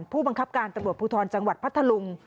ผู้บังคับการตำรวจภูทรจังหวัดพัทธลุง